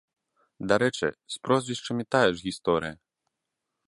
Дарэчы, з прозвішчамі тая ж гісторыя.